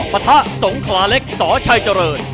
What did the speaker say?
พระธรรมสงคราเล็กสชเจริญ